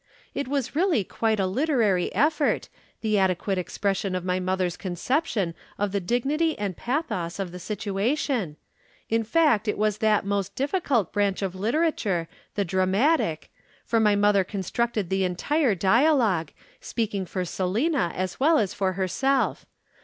It was really quite a literary effort, the adequate expression of my mother's conception of the dignity and pathos of the situation, in fact it was that most difficult branch of literature, the dramatic, for my mother constructed the entire dialogue, speaking for Selina as well as for herself.